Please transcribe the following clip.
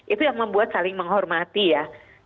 itu yang membuat saling menghormati ya